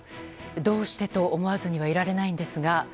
どうしてと思わずにはいられないんですが。